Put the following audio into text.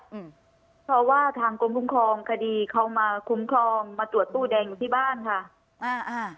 อืมเพราะว่าทางกรมคุ้มครองคดีเขามาคุ้มครองมาตรวจตู้แดงอยู่ที่บ้านค่ะอ่าอ่า